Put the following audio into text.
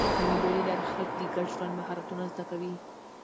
د مېلو له لاري خلک د ګډ ژوند مهارتونه زده کوي.